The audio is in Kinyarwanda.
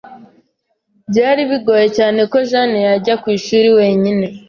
Byari bigoye cyane ko Jane yajya ku ishuri wenyine.